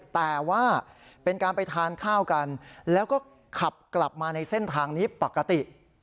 แต่ว่าเป็นการไปทานข้าวกันแล้วก็ขับกลับมาในเส้นทางนี้ปกติ